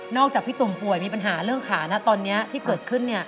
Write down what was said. จากพี่ตุ่มป่วยมีปัญหาเรื่องขานะตอนนี้ที่เกิดขึ้น